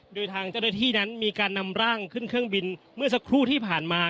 โดยทางเจ้าหน้าที่นั้นมีการนำร่างขึ้นเครื่องบินเมื่อสักครู่ที่ผ่านมา